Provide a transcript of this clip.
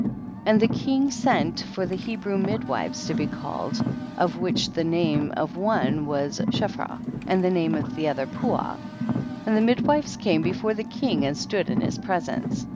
23. And the king sent for the He brew midwivcs to be called, of which the name of one was Sheph rah, and the name of the other Puah. 24. And the midwives came be fore the king, and stood in his pre sence.